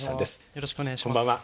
よろしくお願いします。